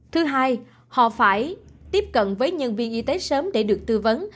thứ hai họ phải tiếp cận với nhân viên y tế sớm để được tư vấn